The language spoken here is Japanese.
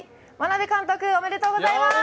眞鍋監督、おめでとうございます！